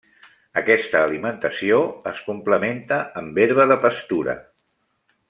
Aquesta alimentació es complementa amb herba de pastura.